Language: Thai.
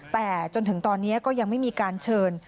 แต่จนถึงตอนนี้ก็ยังไม่มีการเชิญ